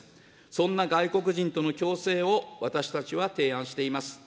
そんな外国人との共生を、私たちは提案しています。